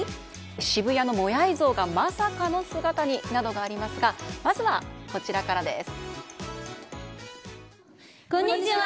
渋谷のモヤイ像がまさかの姿になどがありますがまずはこちらからです。